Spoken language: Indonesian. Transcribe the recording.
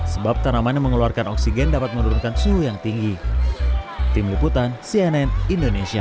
sebab tanamannya mengeluarkan oksigen dapat menurunkan suhu yang tinggi